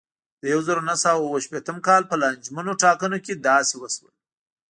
د یوه زرو نهه سوه اوه شپېتم کال په لانجمنو ټاکنو کې داسې وشول.